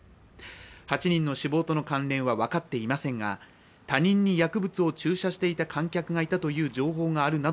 ８人の死亡との関連は分かっていませんが他人に薬物を注射していた観客がいたという情報を受け